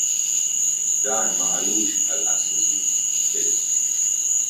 Dan ma qalux għall-qassisin biss.